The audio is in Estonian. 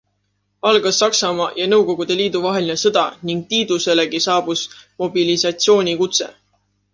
Algas Saksamaa ja Nõukogude Liidu vaheline sõda ning Tiiduselegi saabus mobilisatsioonikutse.